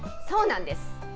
そうなんです。